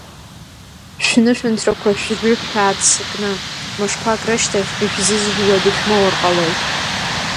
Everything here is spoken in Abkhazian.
Шәнышәынҭрақәа шәжы шәааццакны мышқәак рышьҭахь ишәзызжуа дышәмоур ҟалоит.